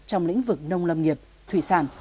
trong lĩnh vực nông lâm nghiệp thủy sản